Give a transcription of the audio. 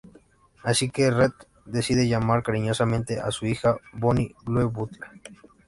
Así que Rhett decide llamar cariñosamente a su hija Bonnie Blue Butler.